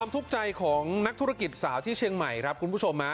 ทุกข์ใจของนักธุรกิจสาวที่เชียงใหม่ครับคุณผู้ชม